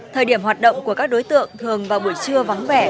thời điểm hoạt động của các đối tượng thường vào buổi trưa vắng vẻ